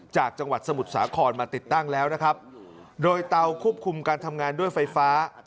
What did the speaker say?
จากจังหวัดสมุทรสาครมาติดตั้งแล้วนะครับโดยเตาควบคุมการทำงานด้วยไฟฟ้า